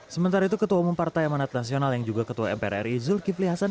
sementara itu ketua umum partai amanat nasional yang juga ketua mprri zulkifli hasan